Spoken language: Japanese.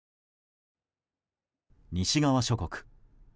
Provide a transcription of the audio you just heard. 西側諸国。